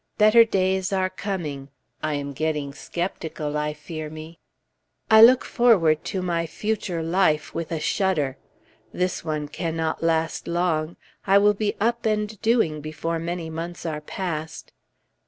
"Better days are coming " I am getting skeptical, I fear me. I look forward to my future life with a shudder. This one cannot last long; I will be "up and doing" before many months are past.